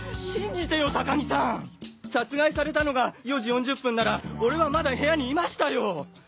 信じてよ高木さん！殺害されたのが４時４０分なら俺はまだ部屋にいましたよ！